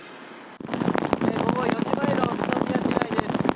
午後４時前の宇都宮市内です。